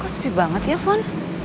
kok sepi banget ya fon